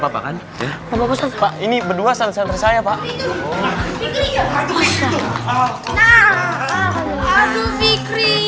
tapi kalian dapat makan ini berdua santai santai saya pak